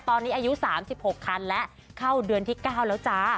ตอนนี้อายุ๓๖คันแล้วเข้าเดือนที่๙แล้วจ้า